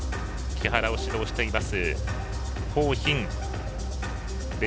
木原を指導しています